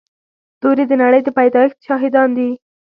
ستوري د نړۍ د پيدایښت شاهدان دي.